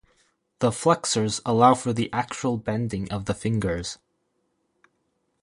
The flexors allow for the actual bending of the fingers.